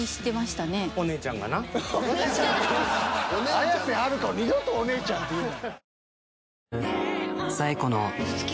綾瀬はるかを二度と「おネエちゃん」って言うな。